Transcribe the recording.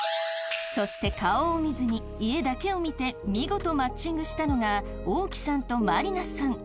そして顔を見ずに家だけを見て見事マッチングしたのがおおきさんとまりなさん。